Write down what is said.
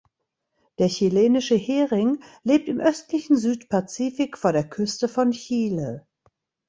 Der Chilenische Hering lebt im östlichen Südpazifik vor der Küste von Chile.